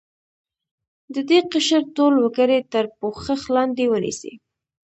د دې قشر ټول وګړي تر پوښښ لاندې ونیسي.